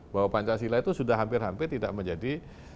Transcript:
bahwa pancasila itu sudah hampir hampir tidak menjadi